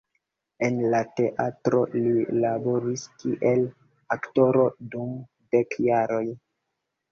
En la teatro li laboris kiel aktoro dum dek jaroj.